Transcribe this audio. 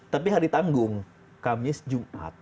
tapi hari tanggung kamis jumat